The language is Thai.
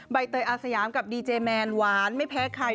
ใบเตยอาสยามกับดีเจแมนหวานไม่แพ้ใคร